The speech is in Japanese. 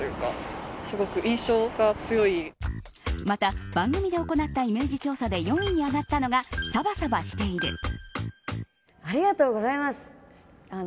また、番組で行ったイメージ調査で４位に上がったのがサバサバしている。